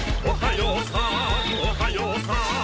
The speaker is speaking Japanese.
おっはよう！